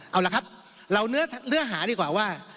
เอาละครับเราเนื้อหาดีกว่าว่า